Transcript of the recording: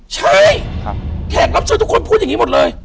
ใช่แขกรับเชิญทุกคนพูดอย่างนี้หมดเลย